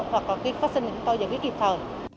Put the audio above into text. hoặc có cái phát sinh chúng tôi giải quyết kịp thời